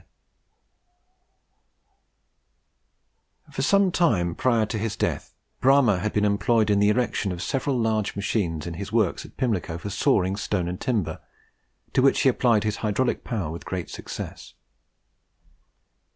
For some time prior to his death Bramah had been employed in the erection of several large machines in his works at Pimlico for sawing stone and timber, to which he applied his hydraulic power with great success.